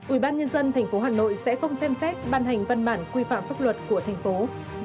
ủy ban nhân dân tp hcm sẽ không xem xét ban hành văn bản quy phạm pháp luật của tp hcm